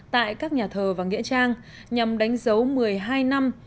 tại các nhà thờ và nghĩa trang nhằm đánh dấu một mươi hai năm